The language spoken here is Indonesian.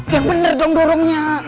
jangan bener dong dorongnya